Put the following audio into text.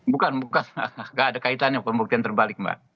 bukan bukan tidak ada kaitannya pembuktian terbalik mbak